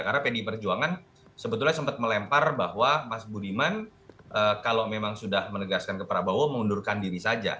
karena pdi perjuangan sebetulnya sempat melempar bahwa mas budiman kalau memang sudah menegaskan ke prabowo mengundurkan diri saja